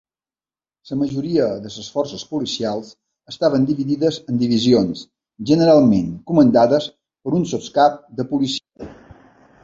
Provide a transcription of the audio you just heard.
La majoria de les forces policials estaven dividides en divisions, generalment comandades per un sotscap de policia.